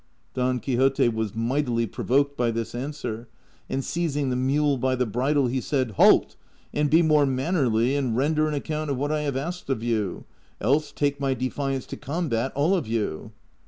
Don Quixote was mightily provoked by this answer, and seizing the mule by the bridle he said, " Halt, and be more mannerly, and render an account of what I have asked of you ; else, take my defiance to combat, all of you."